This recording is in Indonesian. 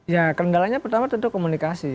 ya kelenggalannya pertama tentu komunikasi